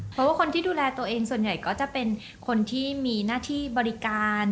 เพราะว่าคนที่ดูแลตัวเองส่วนใหญ่ก็จะเป็นคนที่มีหน้าที่บริการ